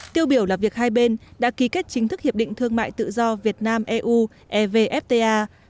tiêu biểu là việc hai bên đã ký kết chính thức hiệp định thương mại tự do việt nam eu evfta